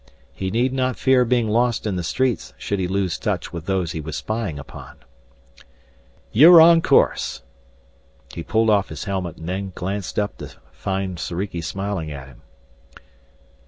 He need not fear being lost in the streets should he lose touch with those he was spying upon. "You're on course!" He pulled off his helmet and then glanced up to find Soriki smiling at him.